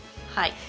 はい。